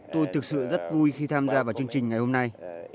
tôi thực sự rất vui khi tham gia vào chương trình ngày hôm nay